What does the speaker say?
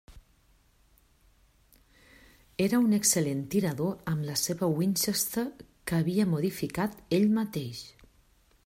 Era un excel·lent tirador amb la seva Winchester que havia modificat ell mateix.